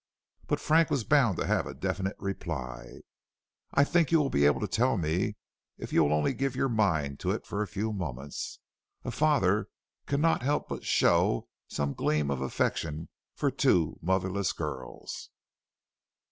But Frank was bound to have a definite reply. "I think you will be able to tell me if you will only give your mind to it for a few moments. A father cannot help but show some gleam of affection for two motherless girls."